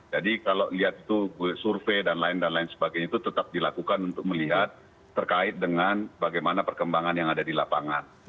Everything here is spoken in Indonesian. jadi kalau lihat itu survei dan lain lain sebagainya itu tetap dilakukan untuk melihat terkait dengan bagaimana perkembangan yang ada di lapangan